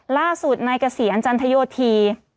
ล่าสุดนายเกษียณจันทโยธี